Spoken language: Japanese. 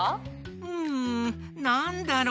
んなんだろう？